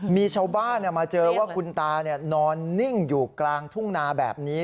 มีชาวบ้านมาเจอว่าคุณตานอนนิ่งอยู่กลางทุ่งนาแบบนี้